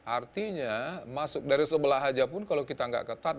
artinya masuk dari sebelah saja pun kalau kita nggak ketat